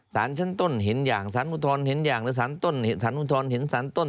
ศาลชั้นต้นเห็นอย่างศาลอุทธรณ์เห็นอย่างศาลอุทธรณ์เห็นศาลต้น